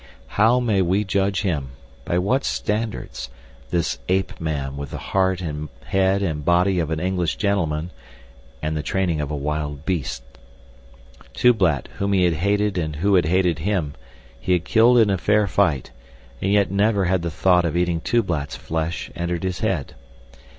How may we judge him, by what standards, this ape man with the heart and head and body of an English gentleman, and the training of a wild beast? Tublat, whom he had hated and who had hated him, he had killed in a fair fight, and yet never had the thought of eating Tublat's flesh entered his head.